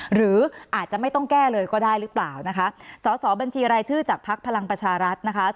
หรืออาจจะไม่ต้องแก้เลยก็ได้หรือเปล่านะคะสอสอบัญชีรายชื่อจากภักดิ์พลังประชารัฐนะคะ